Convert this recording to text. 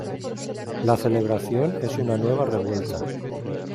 La celebración es una nueva revuelta.